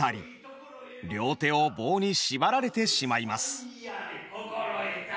両手を棒にしばられてしまいます。